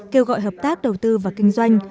kêu gọi hợp tác đầu tư và kinh doanh